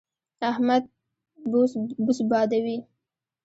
احمد بوس بادوي.